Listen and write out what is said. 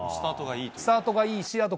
スタートがいいと？